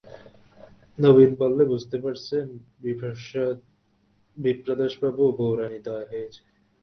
নবীন বললে, বুঝতে পারছেন বিপ্রদাসবাবু, বউরানীর দয়া হয়েছে।